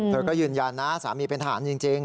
เธอก็ยืนยันนะสามีเป็นทหารจริง